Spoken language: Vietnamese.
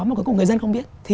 mà cuối cùng người dân không biết